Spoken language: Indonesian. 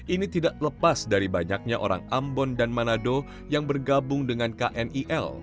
ini tidak lepas dari banyaknya orang ambon dan manado yang bergabung dengan knil